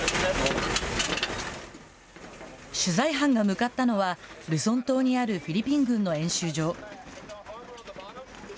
取材班が向かったのは、ルソン島にあるフィリピン軍の演習場。